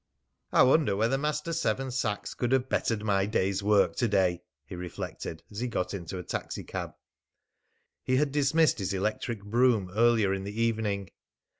"I wonder whether Master Seven Sachs could have bettered my day's work to day!" he reflected as he got into a taxicab. He had dismissed his electric brougham earlier in the evening.